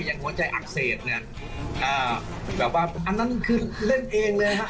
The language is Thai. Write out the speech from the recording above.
หัวใจอักเสบเนี่ยอ่าแบบว่าอันนั้นคือเล่นเองเลยฮะ